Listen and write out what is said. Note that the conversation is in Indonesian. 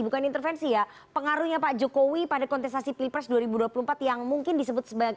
bukan intervensi ya pengaruhnya pak jokowi pada kontestasi pilpres dua ribu dua puluh empat yang mungkin disebut sebagai